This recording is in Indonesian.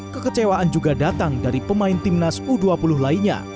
kekecewaan juga datang dari pemain timnas u dua puluh lainnya